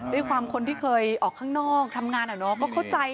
ด้วยความคนที่เคยออกข้างนอกทำงานอะเนาะก็เข้าใจ